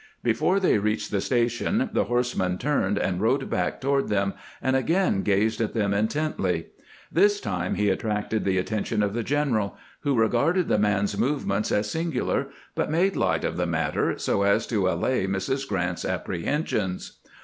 Before they reached the station the horse man turned and rode back toward them, and again gazed at them intently. This time he attracted the attention of the general, who regarded the man's move ments as singular, but made light of the matter so as to aUay Mrs. Grant's apprehensions.